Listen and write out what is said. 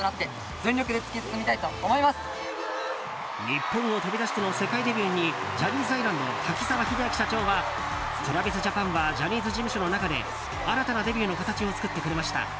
日本を飛び出しての世界デビューにジャニーズアイランド滝沢秀明社長はＴｒａｖｉｓＪａｐａｎはジャニーズ事務所の中で新たなデビューの形を作ってくれました。